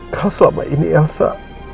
kalau selama ini elsa